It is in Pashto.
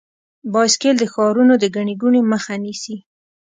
بایسکل د ښارونو د ګڼې ګوڼې مخه نیسي.